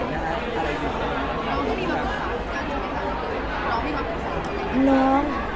อย่างนี้แหละ